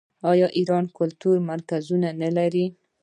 آیا ایران کلتوري مرکزونه نلري؟